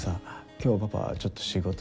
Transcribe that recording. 今日パパちょっと仕事で。